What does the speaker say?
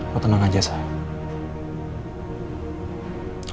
lo tenang aja sam